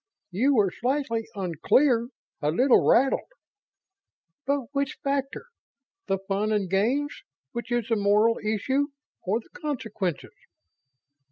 "You were slightly unclear a little rattled? But which factor the fun and games, which is the moral issue, or the consequences?"